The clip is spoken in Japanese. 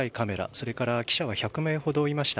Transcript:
それから記者は１００名ほどいました。